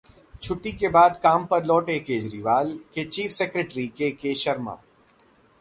छुट्टी के बाद काम पर लौटे केजरीवाल के चीफ सेक्रेटरी केके शर्मा